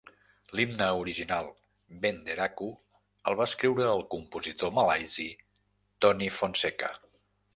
L'himne original "Benderaku", el va escriure el compositor malaisi Tony Fonseka.